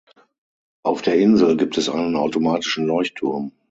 Auf der Insel gibt es einen automatischen Leuchtturm.